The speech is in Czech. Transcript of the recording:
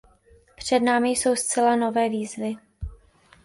Před námi jsou zcela nové výzvy.